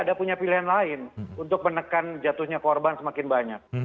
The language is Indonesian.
ada punya pilihan lain untuk menekan jatuhnya korban semakin banyak